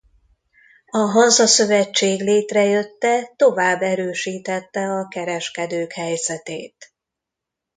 A Hansa Szövetség létrejötte tovább erősítette a kereskedők helyzetét.